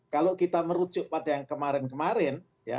kalau kita merujuk pada yang kemarin kemarin